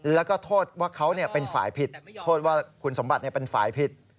แล้วก็โทษว่าเขาเป็นฝ่ายผิดโทษว่าคุณสมบัติเป็นฝ่ายผิด